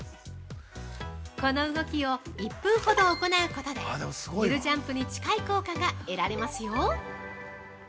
この動きを１分ほど行うことでゆるジャンプに近い効果が得られますよ。